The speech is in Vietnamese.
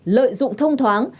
lợi dụng thông thoáng